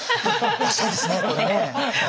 出したいですねこれね。